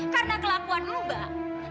karena kelakuan lu mbak